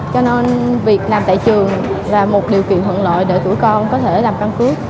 cho nên việc làm tại trường là một điều kiện phận lợi để tụi con có thể làm căn cức